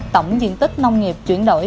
tổng diện tích nông nghiệp chuyển đổi